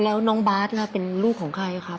แล้วน้องบาทล่ะเป็นลูกของใครครับ